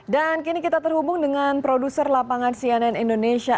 dan kini kita terhubung dengan produser lapangan cnn indonesia